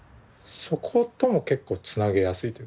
そことも結構つなげやすいというか。